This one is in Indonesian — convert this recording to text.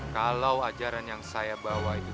kalau ajaran yang saya bawa itu